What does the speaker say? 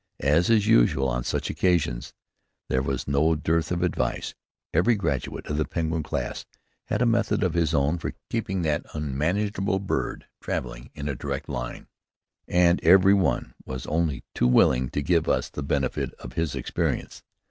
As is usual on such occasions, there was no dearth of advice. Every graduate of the Penguin class had a method of his own for keeping that unmanageable bird traveling in a direct line, and every one was only too willing to give us the benefit of his experience.